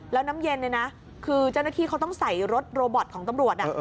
แล้วน้ำเย็นเนี่ยนะคือเจ้าหน้าที่เขาต้องใส่รถโรบอตของตำรวจ